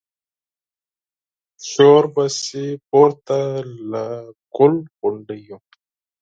شور به سي پورته له ګل غونډیو